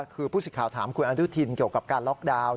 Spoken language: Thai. คือผู้สิทธิ์ถามคุณอนุทินเกี่ยวกับการล็อกดาวน์